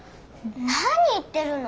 なに言ってるの！